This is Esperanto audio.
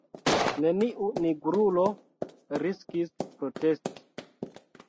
Neniu nigrulo riskis protesti.